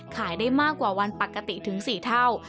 ขายได้มากกว่าวันปกติถึง๔เท่า